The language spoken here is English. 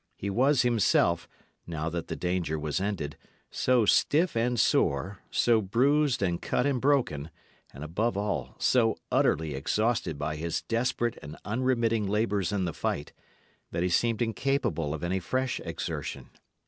He was himself, now that the danger was ended, so stiff and sore, so bruised and cut and broken, and, above all, so utterly exhausted by his desperate and unremitting labours in the fight, that he seemed incapable of any fresh exertion.